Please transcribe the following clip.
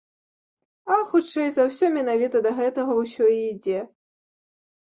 А хутчэй за ўсё, менавіта да гэтага ўсё і ідзе.